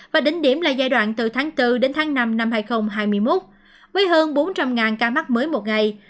và đỉnh điểm là giai đoạn từ tháng bốn đến tháng năm năm hai nghìn hai mươi một với hơn bốn trăm linh ca mắc mới một ngày